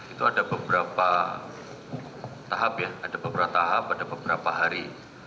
itu ada beberapa tahap ya ada beberapa tahap ada beberapa hari